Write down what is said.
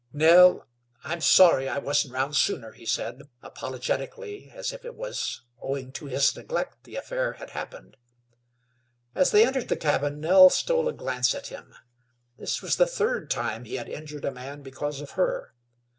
"Nell, I'm sorry I wasn't round sooner," he said, apologetically, as if it was owing to his neglect the affair had happened. As they entered the cabin Nell stole a glance at him. This was the third time he had injured a man because of her.